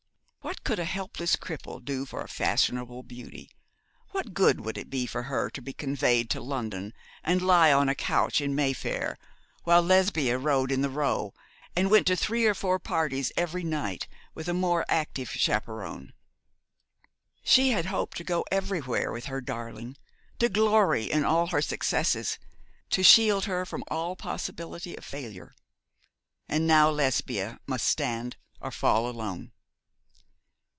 What could a helpless cripple do for a fashionable beauty? What good would it be for her to be conveyed to London, and to lie on a couch in Mayfair, while Lesbia rode in the Row and went to three or four parties every night with a more active chaperon? She had hoped to go everywhere with her darling, to glory in all her successes, to shield her from all possibility of failure. And now Lesbia must stand or fall alone.